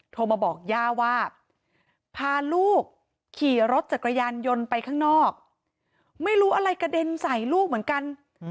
ทางนอกไม่รู้อะไรกระเด็นใส่ลูกเหมือนกัน